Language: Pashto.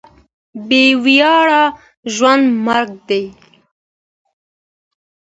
بې وياړه ژوند مرګ دی.